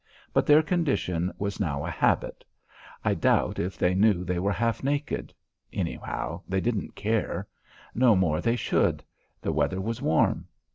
But their condition was now a habit. I doubt if they knew they were half naked. Anyhow they didn't care. No more they should; the weather was warm.